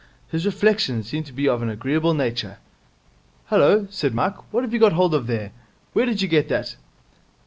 His reflections seemed to be of an agreeable nature. 'Hullo,' said Mike, 'what have you got hold of there? Where did you get that?'